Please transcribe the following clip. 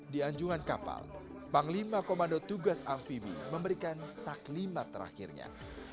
di anjungan kapal panglima komando tugas amfibi memberikan taklimat terakhirnya